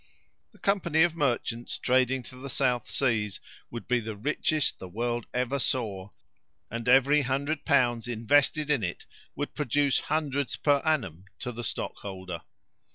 The company of merchants trading to the South Seas would be the richest the world ever saw, and every hundred pounds invested in it would produce hundreds per annum to the stockholder.